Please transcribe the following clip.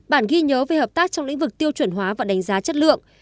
bản ghi nhớ về hợp tác trong lĩnh vực tiêu chuẩn hóa và đánh giá chất lượng